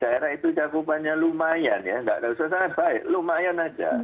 daerah itu cangkupannya lumayan ya tidak usah sangat baik lumayan saja